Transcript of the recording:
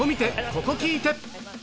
ここ聴いて！